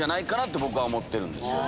僕は思ってるんですよね。